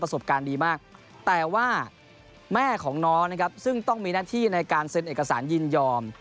สบการณ์ดีมากแต่ว่าแม่ของน้องนะครับซึ่งต้องมีหน้าที่ในการเซ็นเอกสารยินยอม